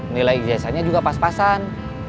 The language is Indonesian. nilai jasanya juga pas pasan